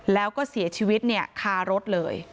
แล้วก็เสียชีวิตเนี่ยฆ่ารถเลย